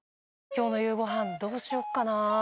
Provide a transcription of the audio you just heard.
今日の夕ご飯どうしよっかなぁ？